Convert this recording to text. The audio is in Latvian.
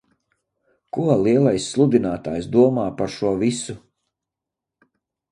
Ko Lielais sludinātājs domā par šo visu?